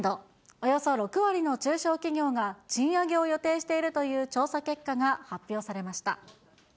およそ６割の中小企業が賃上げを予定しているという調査結果が発表されました。